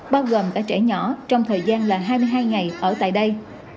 bao gồm cả trẻ nhỏ trong thời gian là hai mươi hai ngày ở tại đây